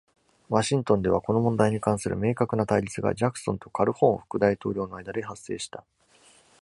ワシントンでは、この問題に関する明確な対立がジャクソンとカルホーン副大統領の間で発生した。